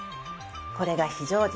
これが非常時